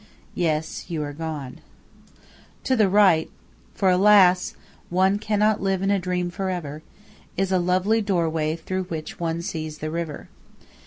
Yes, you are gone. To the right for one, alas! cannot live in a dream for ever is a lovely doorway through which one sees the river.